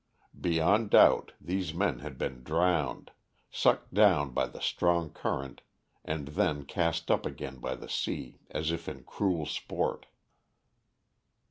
Beyond doubt, these men had been drowned, sucked down by the strong current and then cast up again by the sea as if in cruel sport.